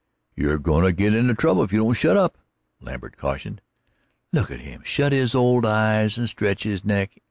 "You're goin' to get into trouble if you don't shut up," Lambert cautioned. "Look at him shut his old eyes and stretch his neck!